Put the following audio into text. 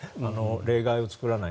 例外を作らない。